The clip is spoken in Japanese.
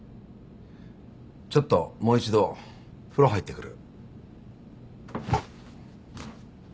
ちょっともう一度風呂入ってくる。